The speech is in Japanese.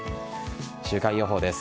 週間予報です。